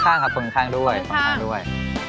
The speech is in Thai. พยายามคลนข้างด้วย